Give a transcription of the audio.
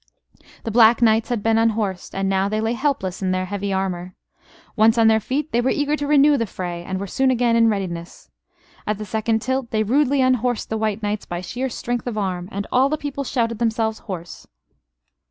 The black knights had been unhorsed, and now they lay helpless in their heavy armor. Once on their feet, they were eager to renew the fray, and were soon again in readiness. At the second tilt they rudely unhorsed the white knights by sheer strength of arm; and all the people shouted themselves hoarse.